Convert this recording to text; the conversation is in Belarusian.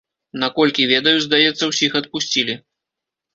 Наколькі ведаю, здаецца, усіх адпусцілі.